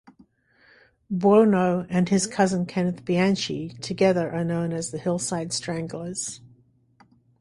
Buono and his cousin Kenneth Bianchi together are known as the Hillside Stranglers.